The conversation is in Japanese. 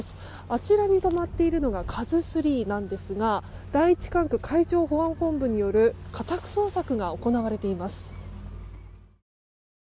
あちらに止まっているのが「ＫＡＺＵ３」なんですが第１管区海上保安本部による家宅捜索が行われています。